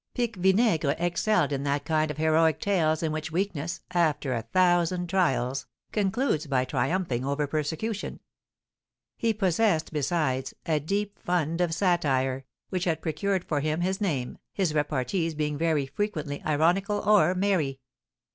Pique Vinaigre excelled in that kind of heroic tales in which weakness, after a thousand trials, concludes by triumphing over persecution. He possessed, besides, a deep fund of satire, which had procured for him his name, his repartees being very frequently ironical or merry.